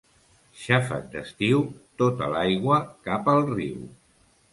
Xàfec d'estiu, tota l'aigua cap al riu.